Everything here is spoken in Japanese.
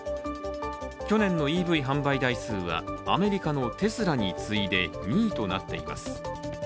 去年のＥＶ販売台数はアメリカのテスラに次いで２位となっています。